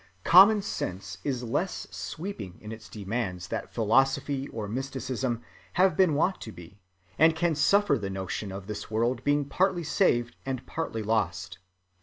Common sense is less sweeping in its demands than philosophy or mysticism have been wont to be, and can suffer the notion of this world being partly saved and partly lost.